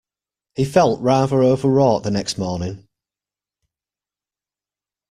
He felt rather overwrought the next morning.